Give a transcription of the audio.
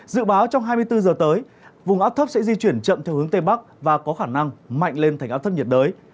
dự báo trong hai mươi bốn giờ tới vùng áp thấp sẽ di chuyển chậm theo hướng tây bắc và có khả năng mạnh lên thành áp thấp nhiệt đới